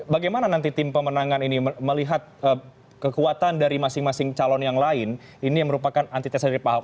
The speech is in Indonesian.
bagaimana nanti tim pemenangan ini melihat kekuatan dari masing masing calon yang lain ini yang merupakan antitesa dari pak ahok